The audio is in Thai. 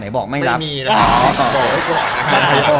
ปังไม่มีนะครับ